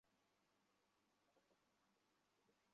অতঃপর ওরা তাকে পশ্চাতে রেখে চলে গেল।